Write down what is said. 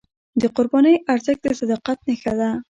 د قربانۍ ارزښت د صداقت نښه ده.